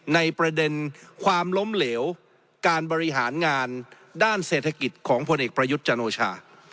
ในประเด็นความล้มเหลวการบริหารงานด้านเศรษฐกิจของพลเอกประยุทธ์จันโอชา